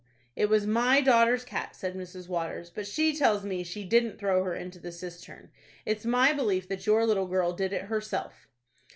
"It was my daughter's cat," said Mrs. Waters; "but she tells me she didn't throw her into the cistern. It's my belief that your little girl did it herself."